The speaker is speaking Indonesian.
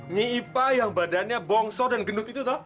nyi ipah yang badannya bongsor dan genut itu toh